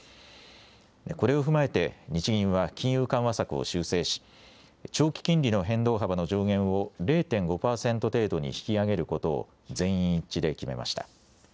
これを踏まえて日銀は金融緩和策を修正し、長期金利の変動幅の上限を０．５％程度に引き上げることを、全員一致で決めました。